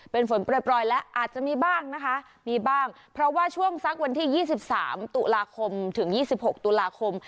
เป็นฝนปล่อยปล่อยแล้วอาจจะมีบ้างนะคะมีบ้างเพราะว่าช่วงสักวันที่ยี่สิบสามตุลาคมถึงยี่สิบหกตุลาคม